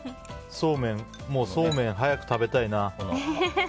もう、そうめん、早く食べたいな。